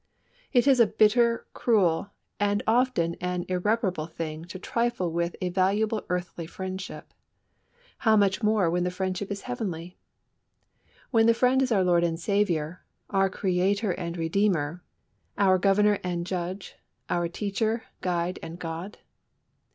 It is a bitter, cruel, and often an irreparable thing to trifle with a valuable earthly friendship. How much more when the friendship is heavenly? when the Friend is our Lord and Saviour, our Creator and Redeemer, our Governor and Judge, our Teacher, Guide, and God?